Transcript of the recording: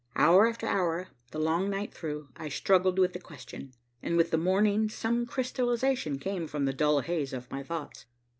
Hour after hour, the long night through, I struggled with the question, and with the morning some crystallization came from the dull haze of my thoughts.